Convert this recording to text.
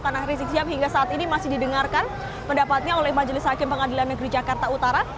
karena risik sihab hingga saat ini masih didengarkan pendapatnya oleh majelis hakim pengadilan negeri jakarta utara